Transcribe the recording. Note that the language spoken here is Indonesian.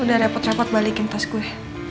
udah repot repot balikin tas gue